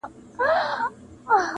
o بلا وه، برکت ئې نه و٫